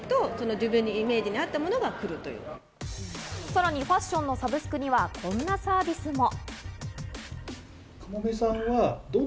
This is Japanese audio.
さらにファッションのサブスクにはこんなサービスも。